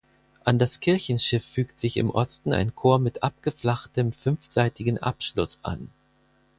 An das Kirchenschiff fügt sich im Osten ein Chor mit abgeflachtem fünfseitigen Abschluss an.